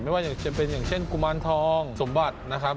ไม่ว่าจะเป็นอย่างเช่นกุมารทองสมบัตินะครับ